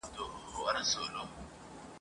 چي تر خوله یې د تلک خوږې دانې سوې !.